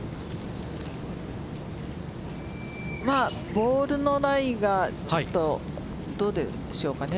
ボールのライがどうでしょうかね。